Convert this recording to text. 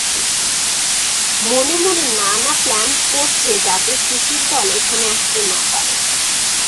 মনে মনে নানা প্ল্যান করছে যাতে সিসির দল এখানে না আসতে পারে।